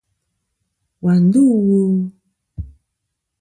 Wà ndû wo?